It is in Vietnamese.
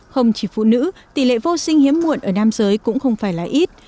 không chỉ phụ nữ tỷ lệ vô sinh hiếm muộn ở nam giới cũng không phải là ít